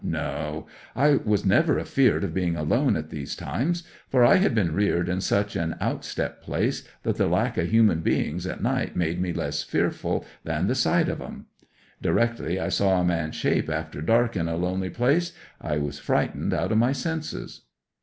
No; I was never afeard of being alone at these times; for I had been reared in such an out step place that the lack o' human beings at night made me less fearful than the sight of 'em. Directly I saw a man's shape after dark in a lonely place I was frightened out of my senses.